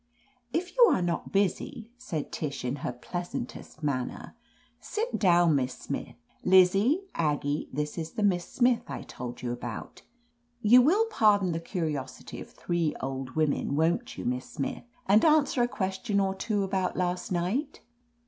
"If you are not busy, said Tish in her pleas antest manner. "Sit down. Miss Smith. Liz zie, Aggie, this is the Miss Smith I told you about. You will pardon the curiosity of ,three old women, won't you. Miss Smith, and an swer a question or two about last night